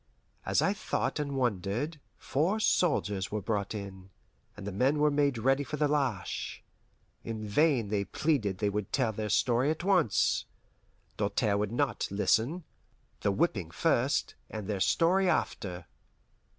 As I thought and wondered, four soldiers were brought in, and the men were made ready for the lash. In vain they pleaded they would tell their story at once. Doltaire would not listen; the whipping first, and their story after.